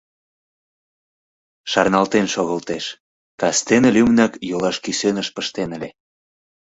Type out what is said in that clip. Шарналтен шогылтеш: кастене лӱмынак йолаш кӱсеныш пыштен ыле.